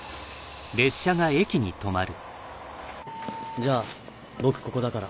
じゃあ僕ここだから。